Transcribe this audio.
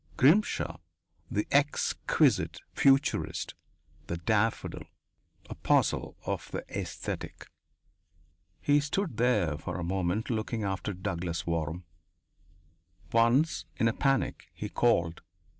Grimshaw the exquisite futurist, the daffodil, apostle of the aesthetic! He stood for a moment looking after Douglas Waram. Once, in a panic, he called.